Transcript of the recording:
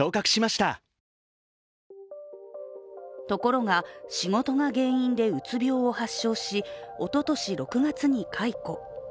ところが、仕事が原因でうつ病を発症し、おととし６月に解雇。